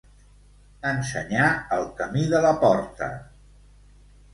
Ensenyar el camí de la porta.